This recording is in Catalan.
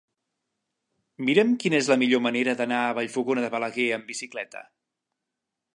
Mira'm quina és la millor manera d'anar a Vallfogona de Balaguer amb bicicleta.